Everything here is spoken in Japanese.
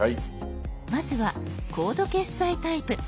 まずはコード決済タイプ。